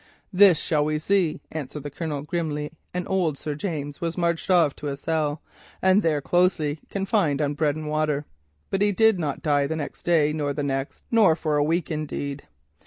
"'This shall we see,' answered the Colonel grimly, and old Sir James was marched off to a cell, and there closely confined on bread and water. But he did not die the next day, nor the next, nor for a week, indeed.